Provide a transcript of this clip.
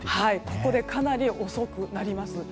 ここでかなり遅くなります。